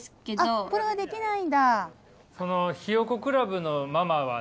あっこれはできないんだ。